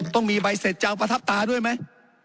ต้องมีใบเสร็จจะเอาประทับตาด้วยไหม